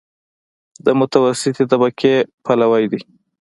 د متوسطې طبقې پلوی دی.